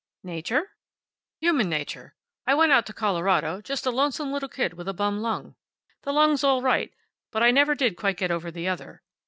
"Nature?" "Human nature. I went out to Colorado just a lonesome little kid with a bum lung. The lung's all right, but I never did quite get over the other.